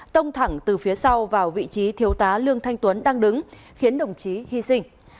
tông thẳng từ phía sau vào vị trí thiếu tá lương thanh tuấn đang đứng khiến đồng chí hy sinh